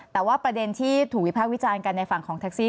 แต่ว่าประเด็นที่ถูกวิภาควิจารณ์กันในฝั่งของแท็กซี่